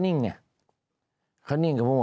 แต่ได้ยินจากคนอื่นแต่ได้ยินจากคนอื่น